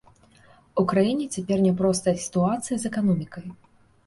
У краіне цяпер няпростая сітуацыя з эканомікай.